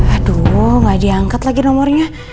aduh gak diangkat lagi nomornya